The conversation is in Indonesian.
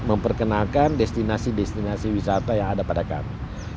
memperkenalkan destinasi destinasi wisata yang ada pada kami